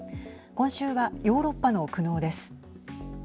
今週はヨーロッパの苦悩です。